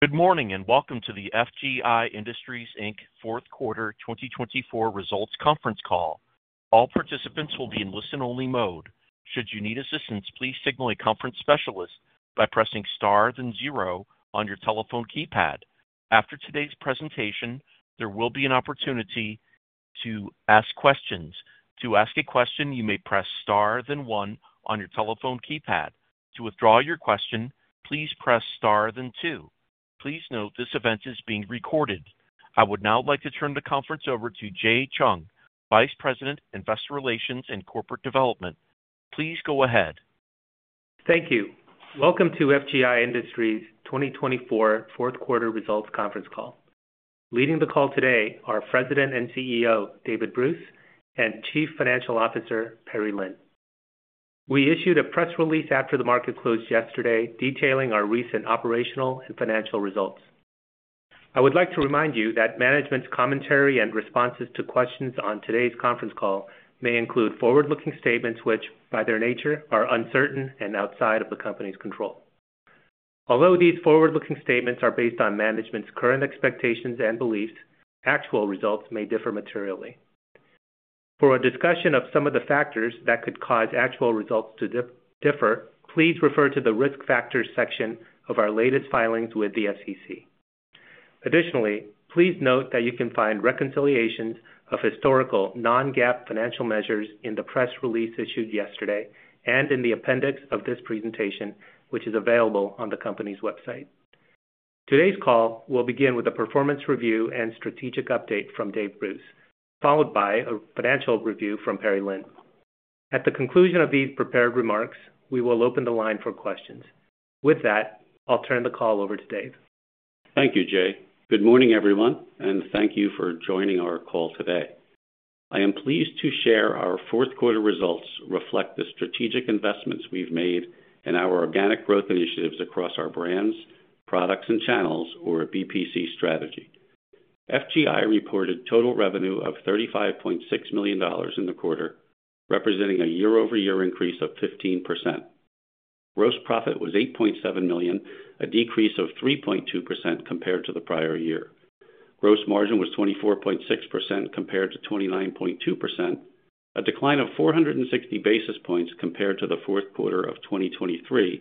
Good morning and welcome to the FGI Industries Ltd., Fourth Quarter 2024 Results Conference Call. All participants will be in listen-only mode. Should you need assistance, please signal a conference specialist by pressing star then zero on your telephone keypad. After today's presentation, there will be an opportunity to ask questions. To ask a question, you may press star then one on your telephone keypad. To withdraw your question, please press star then two. Please note this event is being recorded. I would now like to turn the conference over to Jae Chung, Vice President, Investor Relations and Corporate Development. Please go ahead. Thank you. Welcome to FGI Industries' 2024 Fourth Quarter Results Conference Call. Leading the call today are President and CEO David Bruce and Chief Financial Officer Perry Lin. We issued a press release after the market closed yesterday detailing our recent operational and financial results. I would like to remind you that management's commentary and responses to questions on today's conference call may include forward-looking statements which, by their nature, are uncertain and outside of the company's control. Although these forward-looking statements are based on management's current expectations and beliefs, actual results may differ materially. For a discussion of some of the factors that could cause actual results to differ, please refer to the risk factors section of our latest filings with the SEC. Additionally, please note that you can find reconciliations of historical non-GAAP financial measures in the press release issued yesterday and in the appendix of this presentation, which is available on the company's website. Today's call will begin with a performance review and strategic update from David Bruce, followed by a financial review from Perry Lin. At the conclusion of these prepared remarks, we will open the line for questions. With that, I'll turn the call over to David. Thank you, Jae. Good morning, everyone, and thank you for joining our call today. I am pleased to share our fourth quarter results reflect the strategic investments we've made in our organic growth initiatives across our brands, products, and channels, or BPC strategy. FGI reported total revenue of $35.6 million in the quarter, representing a year-over-year increase of 15%. Gross profit was $8.7 million, a decrease of 3.2% compared to the prior year. Gross margin was 24.6% compared to 29.2%, a decline of 460 basis points compared to the fourth quarter of 2023,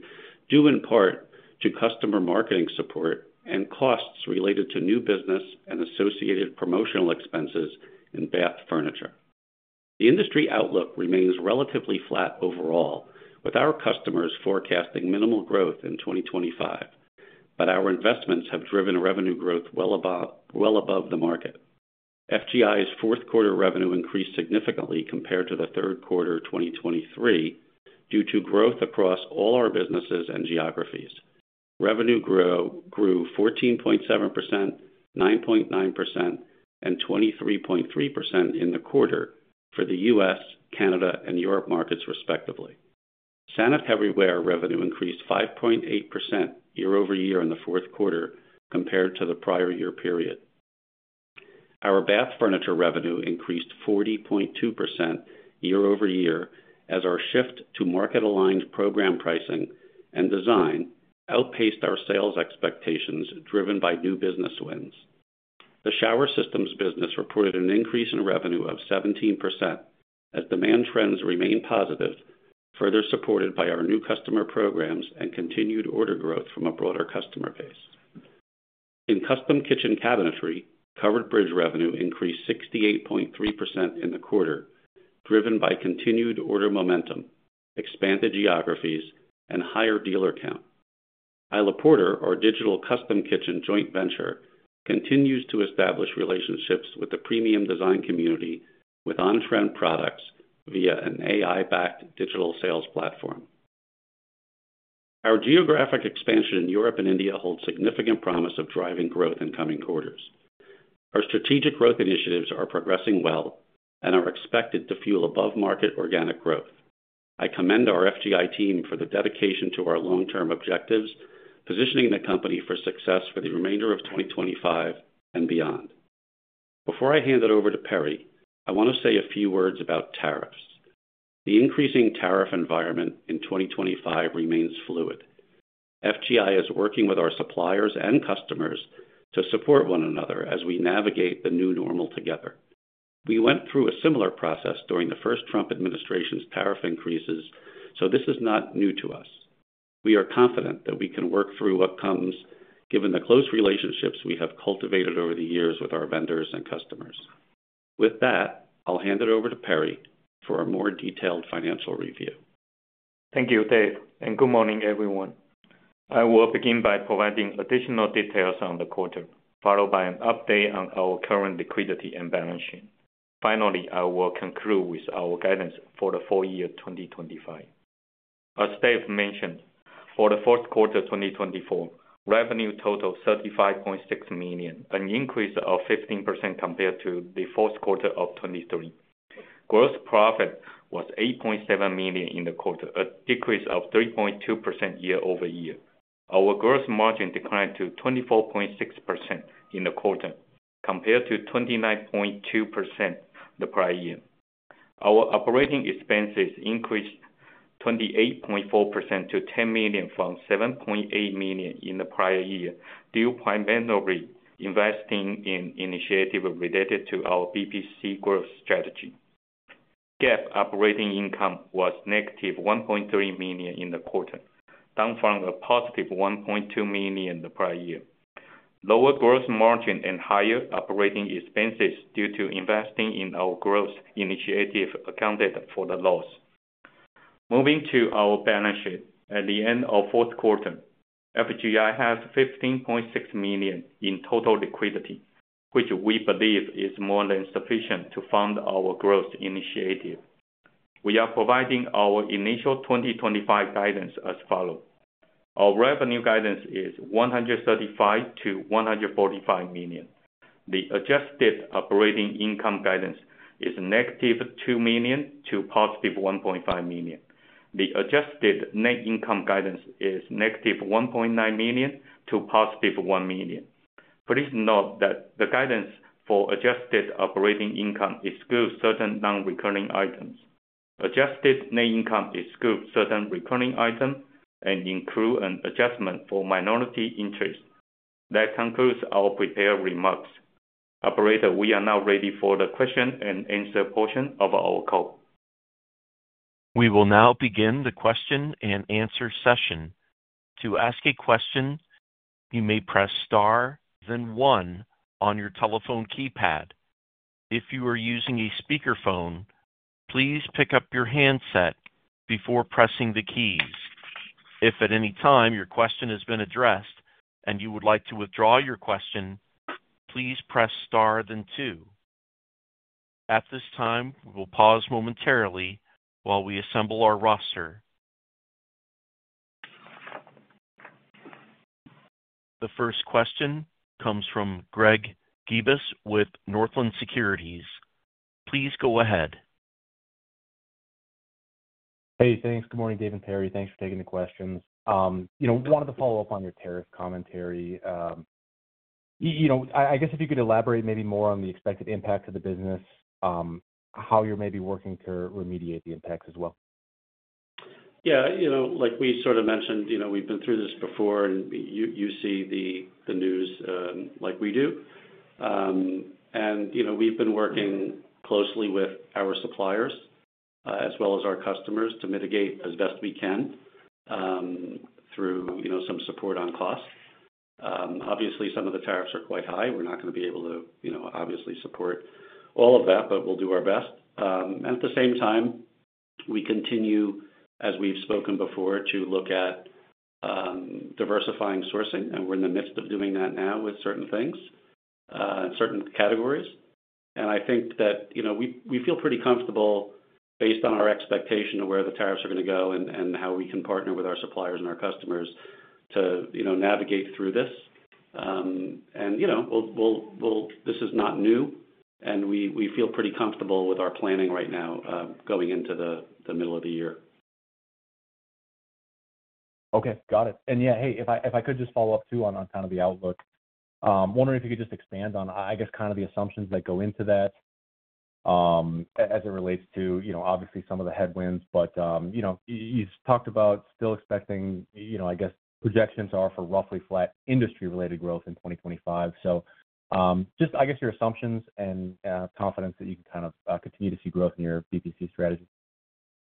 due in part to customer marketing support and costs related to new business and associated promotional expenses in Bath Furniture. The industry outlook remains relatively flat overall, with our customers forecasting minimal growth in 2025, but our investments have driven revenue growth well above the market. FGI's fourth quarter revenue increased significantly compared to the third quarter 2023 due to growth across all our businesses and geographies. Revenue grew 14.7%, 9.9%, and 23.3% in the quarter for the U.S., Canada, and Europe markets, respectively. Sanitaryware revenue increased 5.8% year-over-year in the fourth quarter compared to the prior year period. Our Bath Furniture revenue increased 40.2% year-over-year as our shift to market-aligned program pricing and design outpaced our sales expectations driven by new business wins. The Shower Systems business reported an increase in revenue of 17% as demand trends remain positive, further supported by our new customer programs and continued order growth from a broader customer base. In custom kitchen cabinetry, Covered Bridge revenue increased 68.3% in the quarter, driven by continued order momentum, expanded geographies, and higher dealer count. Isla Porter, our digital custom kitchen joint venture, continues to establish relationships with the premium design community with on-trend products via an AI-backed digital sales platform. Our geographic expansion in Europe and India holds significant promise of driving growth in coming quarters. Our strategic growth initiatives are progressing well and are expected to fuel above-market organic growth. I commend our FGI team for the dedication to our long-term objectives, positioning the company for success for the remainder of 2025 and beyond. Before I hand it over to Perry, I want to say a few words about tariffs. The increasing tariff environment in 2025 remains fluid. FGI is working with our suppliers and customers to support one another as we navigate the new normal together. We went through a similar process during the first Trump administration's tariff increases, so this is not new to us. We are confident that we can work through what comes, given the close relationships we have cultivated over the years with our vendors and customers. With that, I'll hand it over to Perry for a more detailed financial review. Thank you, Dave, and good morning, everyone. I will begin by providing additional details on the quarter, followed by an update on our current liquidity and balance sheet. Finally, I will conclude with our guidance for the full year 2025. As Dave mentioned, for the fourth quarter 2024, revenue totaled $35.6 million, an increase of 15% compared to the fourth quarter of 2023. Gross profit was $8.7 million in the quarter, a decrease of 3.2% year-over-year. Our gross margin declined to 24.6% in the quarter compared to 29.2% the prior year. Our operating expenses increased 28.4% to $10 million from $7.8 million in the prior year, due primarily to investing in initiatives related to our BPC growth strategy. GAAP operating income was -$1.3 million in the quarter, down from a +$1.2 million the prior year. Lower gross margin and higher operating expenses due to investing in our growth initiative accounted for the loss. Moving to our balance sheet, at the end of fourth quarter, FGI has $15.6 million in total liquidity, which we believe is more than sufficient to fund our growth initiative. We are providing our initial 2025 guidance as follows. Our revenue guidance is $135 million-$145 million. The adjusted operating income guidance is -$2 million to +$1.5 million. The adjusted net income guidance is -$1.9 million to +$1 million. Please note that the guidance for adjusted operating income excludes certain non-recurring items. Adjusted net income excludes certain recurring items and includes an adjustment for minority interests. That concludes our prepared remarks. Operator, we are now ready for the question-and-answer portion of our call. We will now begin the question-and-answer session. To ask a question, you may press star then one on your telephone keypad. If you are using a speakerphone, please pick up your handset before pressing the keys. If at any time your question has been addressed and you would like to withdraw your question, please press star then two. At this time, we will pause momentarily while we assemble our roster. The first question comes from Greg Gibas with Northland Securities. Please go ahead. Hey, thanks. Good morning, Dave and Perry. Thanks for taking the questions. I wanted to follow up on your tariff commentary. I guess if you could elaborate maybe more on the expected impact of the business, how you're maybe working to remediate the impacts as well. Yeah. Like we sort of mentioned, we've been through this before, and you see the news like we do. We've been working closely with our suppliers as well as our customers to mitigate as best we can through some support on cost. Obviously, some of the tariffs are quite high. We're not going to be able to obviously support all of that, but we'll do our best. At the same time, we continue, as we've spoken before, to look at diversifying sourcing, and we're in the midst of doing that now with certain things and certain categories. I think that we feel pretty comfortable based on our expectation of where the tariffs are going to go and how we can partner with our suppliers and our customers to navigate through this. This is not new, and we feel pretty comfortable with our planning right now going into the middle of the year. Okay. Got it. Yeah, hey, if I could just follow up too on kind of the outlook, wondering if you could just expand on, I guess, kind of the assumptions that go into that as it relates to, obviously, some of the headwinds. You talked about still expecting, I guess, projections are for roughly flat industry-related growth in 2025. Just, I guess, your assumptions and confidence that you can kind of continue to see growth in your BPC strategy.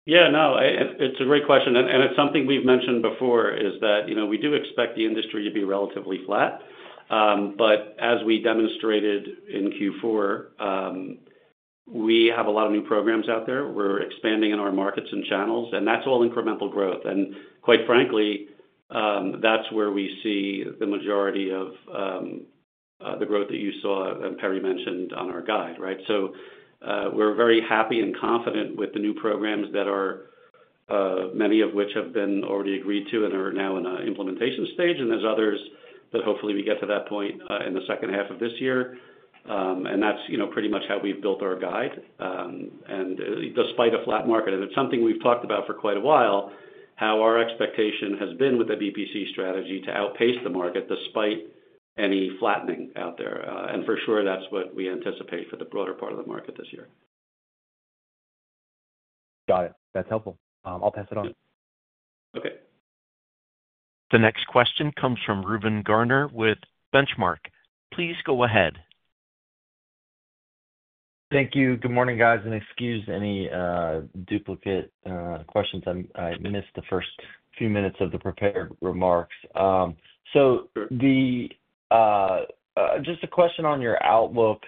Yeah. No, it's a great question. It's something we've mentioned before is that we do expect the industry to be relatively flat. As we demonstrated in Q4, we have a lot of new programs out there. We're expanding in our markets and channels, and that's all incremental growth. Quite frankly, that's where we see the majority of the growth that you saw and Perry mentioned on our guide, right? We're very happy and confident with the new programs, many of which have been already agreed to and are now in an implementation stage. There's others, but hopefully we get to that point in the second half of this year. That's pretty much how we've built our guide. Despite a flat market, and it's something we've talked about for quite a while, how our expectation has been with the BPC strategy to outpace the market despite any flattening out there. For sure, that's what we anticipate for the broader part of the market this year. Got it. That's helpful. I'll pass it on. Okay. The next question comes from Reuben Garner with Benchmark. Please go ahead. Thank you. Good morning, guys. Excuse any duplicate questions. I missed the first few minutes of the prepared remarks. Just a question on your outlook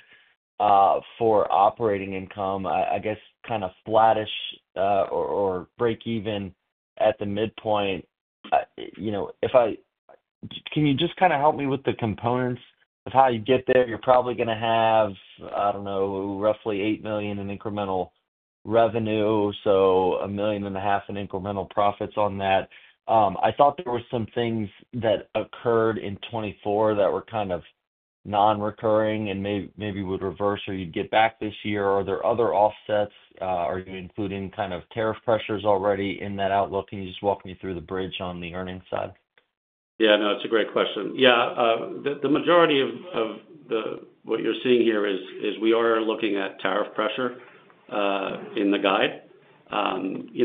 for operating income, I guess kind of flattish or break-even at the midpoint. Can you just kind of help me with the components of how you get there? You're probably going to have, I don't know, roughly $8 million in incremental revenue, so $1.5 million in incremental profits on that. I thought there were some things that occurred in 2024 that were kind of non-recurring and maybe would reverse or you'd get back this year. Are there other offsets? Are you including kind of tariff pressures already in that outlook? Can you just walk me through the bridge on the earnings side? Yeah. No, it's a great question. Yeah. The majority of what you're seeing here is we are looking at tariff pressure in the guide.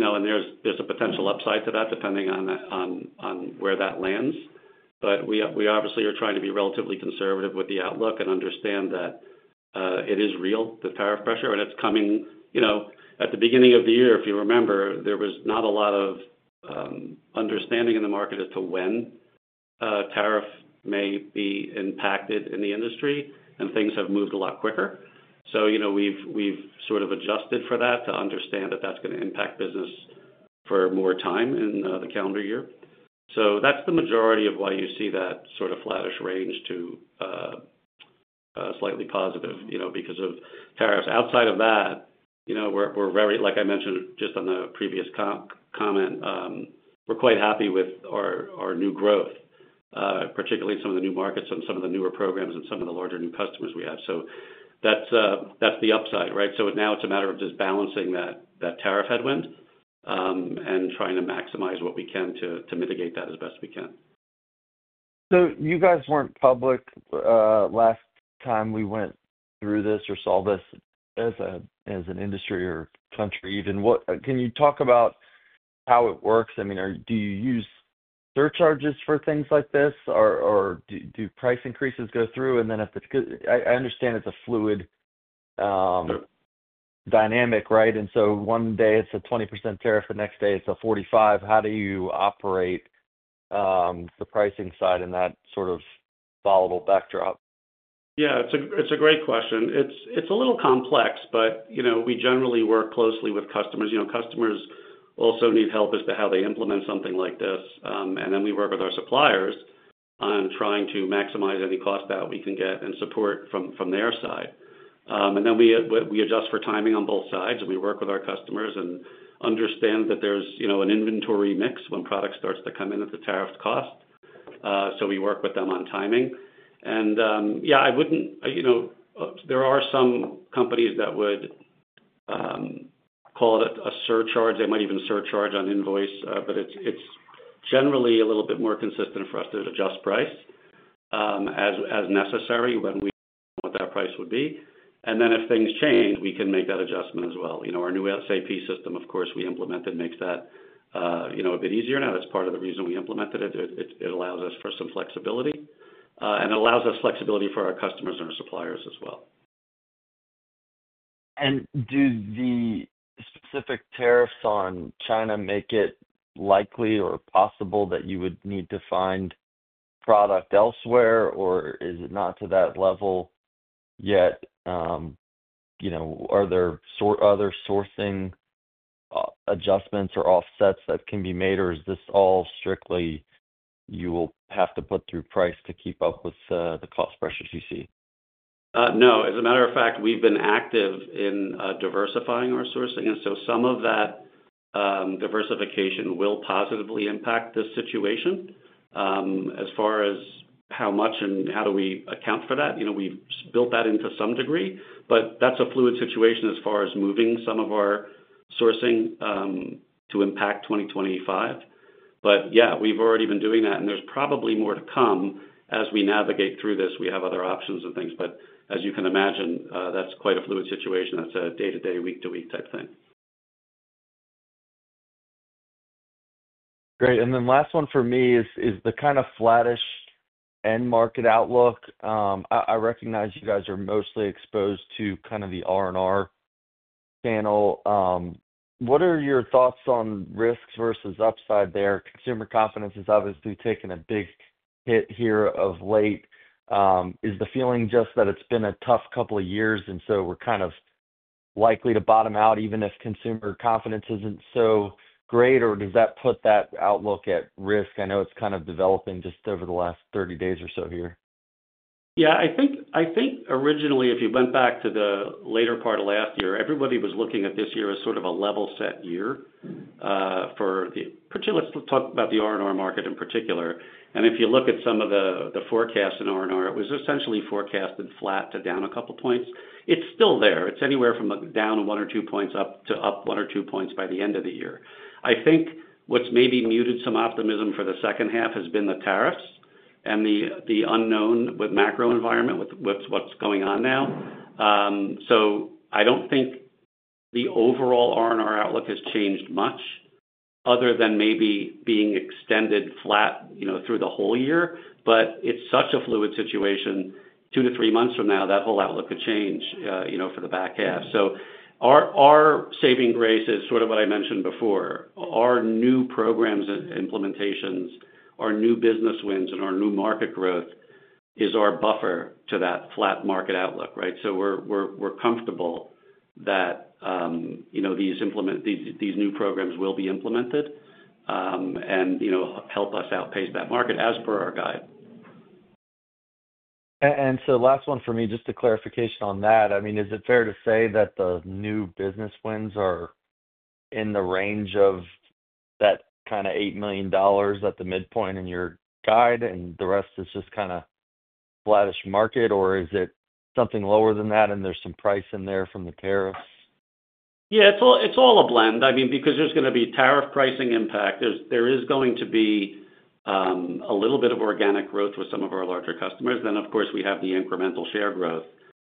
And there's a potential upside to that depending on where that lands. But we obviously are trying to be relatively conservative with the outlook and understand that it is real, the tariff pressure, and it's coming. At the beginning of the year, if you remember, there was not a lot of understanding in the market as to when tariff may be impacted in the industry, and things have moved a lot quicker. We have sort of adjusted for that to understand that that's going to impact business for more time in the calendar year. That's the majority of why you see that sort of flattish range to slightly positive because of tariffs. Outside of that, like I mentioned just on the previous comment, we're quite happy with our new growth, particularly some of the new markets and some of the newer programs and some of the larger new customers we have. That's the upside, right? Now it's a matter of just balancing that tariff headwind and trying to maximize what we can to mitigate that as best we can. You guys were not public last time we went through this or saw this as an industry or country even. Can you talk about how it works? I mean, do you use surcharges for things like this, or do price increases go through? If the—I understand it is a fluid dynamic, right? One day it is a 20% tariff, the next day it is a 45%. How do you operate the pricing side in that sort of volatile backdrop? Yeah. It's a great question. It's a little complex, but we generally work closely with customers. Customers also need help as to how they implement something like this. We work with our suppliers on trying to maximize any cost that we can get and support from their side. We adjust for timing on both sides, and we work with our customers and understand that there's an inventory mix when product starts to come in at the tariffed cost. We work with them on timing. I wouldn't—there are some companies that would call it a surcharge. They might even surcharge on invoice, but it's generally a little bit more consistent for us to adjust price as necessary when we want that price would be. If things change, we can make that adjustment as well. Our new SAP system, of course, we implemented makes that a bit easier. Now, that's part of the reason we implemented it. It allows us for some flexibility, and it allows us flexibility for our customers and our suppliers as well. Do the specific tariffs on China make it likely or possible that you would need to find product elsewhere, or is it not to that level yet? Are there other sourcing adjustments or offsets that can be made, or is this all strictly you will have to put through price to keep up with the cost pressures you see? No. As a matter of fact, we've been active in diversifying our sourcing. Some of that diversification will positively impact the situation as far as how much and how do we account for that. We've built that in to some degree, but that's a fluid situation as far as moving some of our sourcing to impact 2025. Yeah, we've already been doing that, and there's probably more to come as we navigate through this. We have other options and things. As you can imagine, that's quite a fluid situation. That's a day-to-day, week-to-week type thing. Great. Last one for me is the kind of flattish end market outlook. I recognize you guys are mostly exposed to kind of the R&R channel. What are your thoughts on risks versus upside there? Consumer confidence is obviously taking a big hit here of late. Is the feeling just that it's been a tough couple of years, and so we're kind of likely to bottom out even if consumer confidence isn't so great, or does that put that outlook at risk? I know it's kind of developing just over the last 30 days or so here. Yeah. I think originally, if you went back to the later part of last year, everybody was looking at this year as sort of a level set year for the—let's talk about the R&R market in particular. If you look at some of the forecasts in R&R, it was essentially forecasted flat to down a couple of points. It's still there. It's anywhere from down one or two points up to up one or two points by the end of the year. I think what's maybe muted some optimism for the second half has been the tariffs and the unknown with macro environment with what's going on now. I don't think the overall R&R outlook has changed much other than maybe being extended flat through the whole year. It's such a fluid situation. Two to three months from now, that whole outlook could change for the back half. Our saving grace is sort of what I mentioned before. Our new programs and implementations, our new business wins, and our new market growth is our buffer to that flat market outlook, right? We are comfortable that these new programs will be implemented and help us outpace that market as per our guide. Last one for me, just a clarification on that. I mean, is it fair to say that the new business wins are in the range of that kind of $8 million at the midpoint in your guide, and the rest is just kind of flattish market, or is it something lower than that, and there's some price in there from the tariffs? Yeah. It's all a blend. I mean, because there's going to be tariff pricing impact. There is going to be a little bit of organic growth with some of our larger customers. Of course, we have the incremental share growth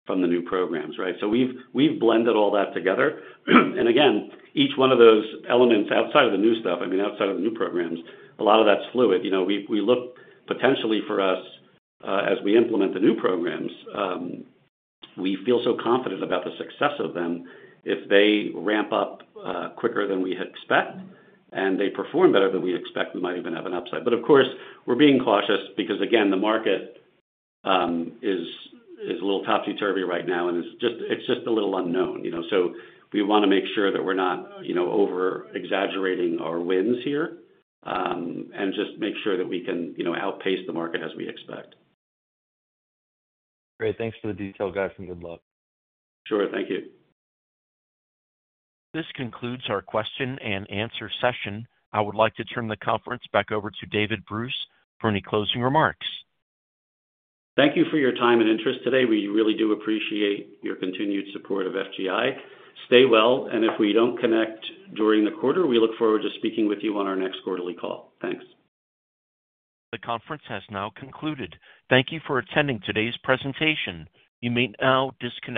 from the new programs, right? We have blended all that together. Again, each one of those elements outside of the new stuff, I mean, outside of the new programs, a lot of that's fluid. We look potentially for us as we implement the new programs. We feel so confident about the success of them if they ramp up quicker than we expect and they perform better than we expect, we might even have an upside. Of course, we're being cautious because, again, the market is a little topsy-turvy right now, and it's just a little unknown. We want to make sure that we're not overexaggerating our wins here and just make sure that we can outpace the market as we expect. Great. Thanks for the detail, guys, and good luck. Sure. Thank you. This concludes our question and answer session. I would like to turn the conference back over to David Bruce for any closing remarks. Thank you for your time and interest today. We really do appreciate your continued support of FGI. Stay well. If we do not connect during the quarter, we look forward to speaking with you on our next quarterly call. Thanks. The conference has now concluded. Thank you for attending today's presentation. You may now disconnect.